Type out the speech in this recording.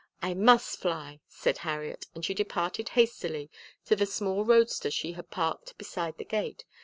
I must fly!" said Harriet, and she departed hastily to the small roadster she had parked beside the gate.